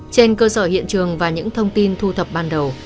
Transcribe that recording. trên cơ sở hiện trường và những thông tin thu thập ban đầu